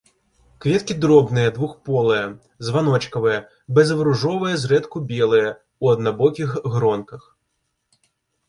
Кветкі дробныя, двухполыя, званочкавыя, бэзава-ружовыя, зрэдку белыя, у аднабокіх гронках.